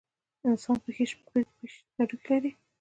د انسان پښې شپږ ویشت هډوکي لري.